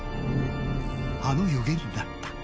あの予言だった。